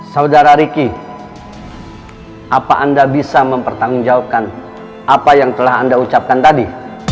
saudara ricky apa anda bisa mempertanggungjawabkan apa yang telah anda ucapkan tadi